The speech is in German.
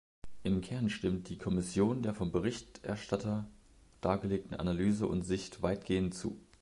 Im Kern stimmt die Kommission der vom Berichterstatter dargelegten Analyse und Sicht weitgehend zu.